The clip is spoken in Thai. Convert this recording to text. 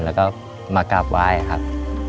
แล้วก็มากราบวายครับ